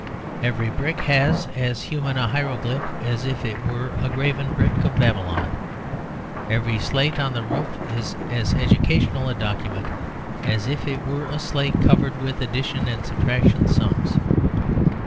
Every brick has as human a hieroglyph as if it were a graven brick of Babylon; every slate on the roof is as educational a document as if it were a slate covered with addition and subtraction sums.